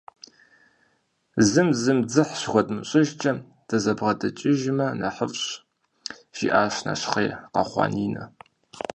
«Зым зым дзыхь щыхуэдмыщӏыжкӏэ, дызэбгъэдэкӏыжымэ нэхъыфӏщ», жиӏащ нэщхъей къэхъуа Нинэ.